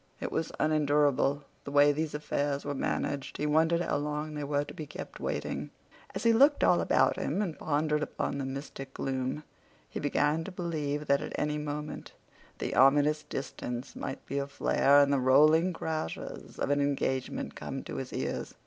It was unendurable the way these affairs were managed. He wondered how long they were to be kept waiting. As he looked all about him and pondered upon the mystic gloom, he began to believe that at any moment the ominous distance might be aflare, and the rolling crashes of an engagement come to his ears.